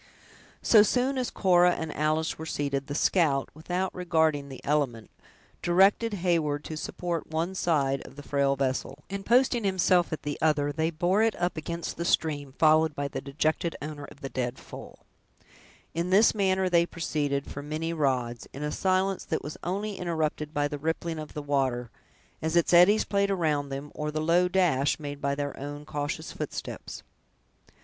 So soon as Cora and Alice were seated, the scout, without regarding the element, directed Heyward to support one side of the frail vessel, and posting himself at the other, they bore it up against the stream, followed by the dejected owner of the dead foal. In this manner they proceeded, for many rods, in a silence that was only interrupted by the rippling of the water, as its eddies played around them, or the low dash made by their own cautious footsteps.